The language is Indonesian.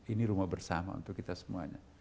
ini rumah bersama untuk kita semuanya